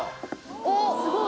おっすごい。